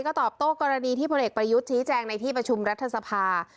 ก็ตอบโต้กรณีที่พลเอกประยุทธ์ชี้แจงในที่ประชุมรัฐสภา